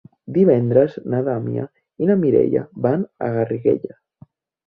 Divendres na Damià i na Mireia van a Garriguella.